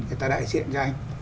người ta đại diện cho anh